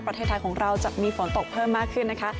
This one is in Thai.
ประเทศไทยของเราจะมีฝนตกเพิ่มมากขึ้นนะคะ